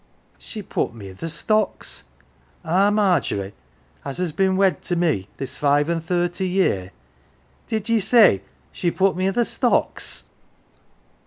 " She put me i' th' stocks ! Our Margery, as has been wed to me this five an' thirty year ! Did ye say she put me i' th' stocks